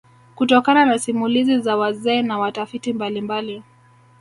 Kutokana na simulizi za wazee na watafiti mbalimbali